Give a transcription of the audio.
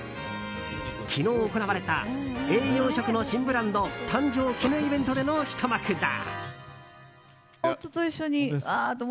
昨日行われた、栄養食の新ブランド誕生記念イベントでのひと幕だ。